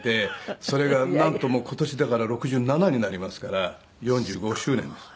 それがなんと今年だから６７になりますから４５周年です。